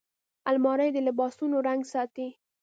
الماري د لباسونو رنګ ساتي